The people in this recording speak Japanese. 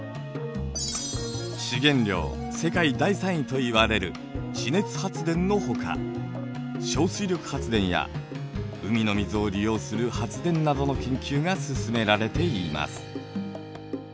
資源量世界第３位といわれる地熱発電のほか小水力発電や海の水を利用する発電などの研究が進められています。